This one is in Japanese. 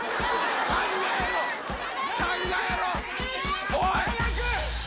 考えろ考えろおい！